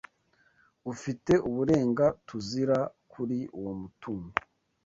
Ufite uburengaTUZIra kuri uwo mutungo?